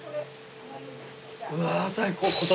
うわ最高。